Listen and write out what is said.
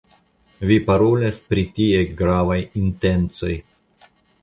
Vi parolas pri tiaj gravaj intencoj.